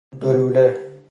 دو لوله